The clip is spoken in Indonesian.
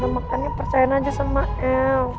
makanya percayain aja sama el